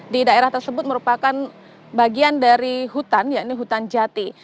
di daerah tersebut merupakan bagian dari hutan yaitu hutan jati